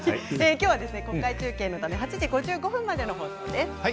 きょうは国会中継ため８時５５分までの放送です。